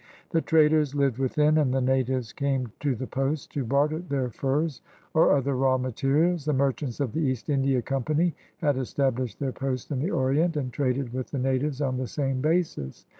The traders lived within, and the natives came to the posts to barter their furs or other raw materials. The merchants of the East India 0)mpany had established their posts in the Orient and traded with the natives on the same basis.